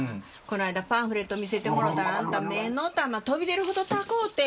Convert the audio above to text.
この間パンフレット見せてもろたらあんた目の玉飛び出るほど高ぅて。